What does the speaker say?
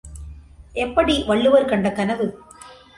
எப்படி வள்ளுவர் கண்ட கனவு?